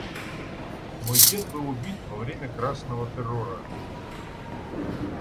Мой дед был убит во время красного террора.